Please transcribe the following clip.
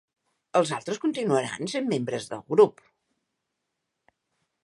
Els altres continuaran sent membres del grup.